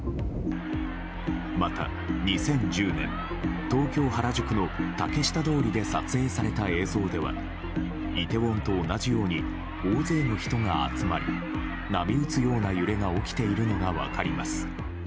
また、２０１０年東京・原宿の竹下通りで撮影された映像ではイテウォンと同じように大勢の人が集まり波打つような揺れが起きているのが分かります。